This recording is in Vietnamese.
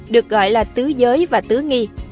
được gọi là tứ giới và tứ nghi